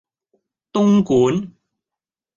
東莞